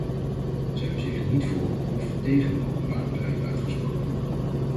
Ze hebben zich niet voor of tegen openbare bedrijven uitgesproken.